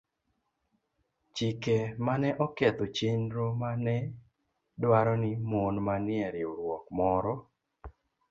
chike ma ne oketho chenro ma ne dwaro ni mon manie riwruok moro